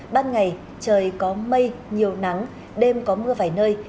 ban ngày trời có mây nhiều nắng đêm có mưa vài nơi